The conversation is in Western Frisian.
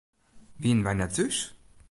Wienen wy net thús?